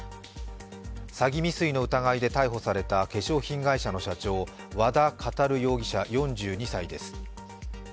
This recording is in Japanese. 詐欺未遂の疑いで逮捕された化粧品会社の社長和田教容疑者４２歳です。